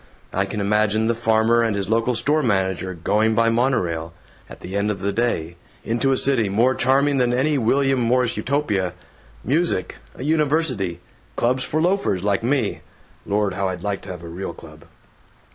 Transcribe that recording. I can imagine the farmer and his local store manager going by monorail, at the end of the day, into a city more charming than any William Morris Utopia music, a university, clubs for loafers like me. (Lord, how I'd like to have a real club!)"